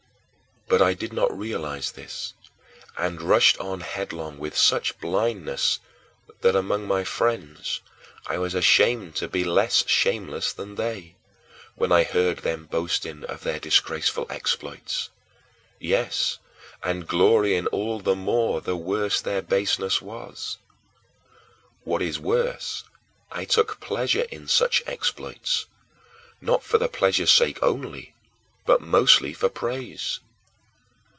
" But I did not realize this, and rushed on headlong with such blindness that, among my friends, I was ashamed to be less shameless than they, when I heard them boasting of their disgraceful exploits yes, and glorying all the more the worse their baseness was. What is worse, I took pleasure in such exploits, not for the pleasure's sake only but mostly for praise.